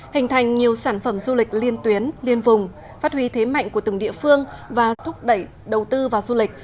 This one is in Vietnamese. hình thành nhiều sản phẩm du lịch liên tuyến liên vùng phát huy thế mạnh của từng địa phương và thúc đẩy đầu tư vào du lịch